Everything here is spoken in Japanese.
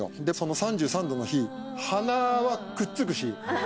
でその３３度の日鼻はくっつくし。